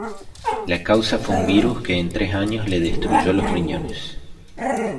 La causa fue un virus que en tres años le destruyó los riñones.